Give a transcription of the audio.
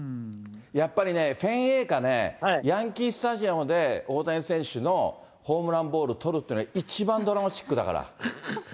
やっぱりね、フェンウェイかね、ヤンキースタジアムで大谷選手のホームランボール取るっていうのが一番ドラマチックだから。